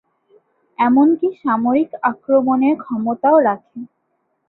এমনকি সামরিক আক্রমণের ক্ষমতাও রাখে।